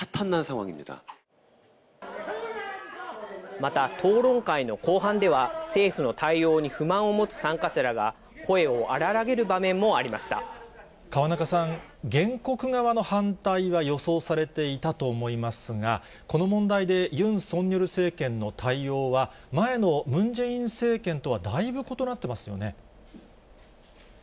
また、討論会のこうはんでは、政府の対応に不満を持つ参加者らが、河中さん、原告側の反対は予想されていたと思いますが、この問題でユン・ソンニョル政権の対応は前のムン・ジェイン政権とはだいぶ異なってますよね。